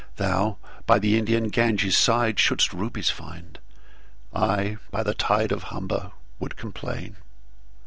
Thou by the Indian Ganges sideShould'st Rubies find: I by the TideOf Humber would complain.